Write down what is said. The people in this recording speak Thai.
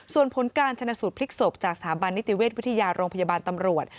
ส่วนผลการชนะสูตรพลิกศพจากสถาบันนิติเวชวิทยาโรงพยาบาลตำรวจ